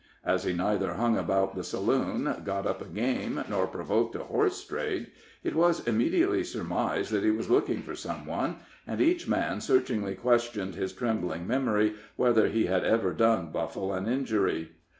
As he neither hung about the saloon, "got up" a game, nor provoked a horse trade, it was immediately surmised that he was looking for some one, and each man searchingly questioned his trembling memory whether he had ever done Buffle an injury.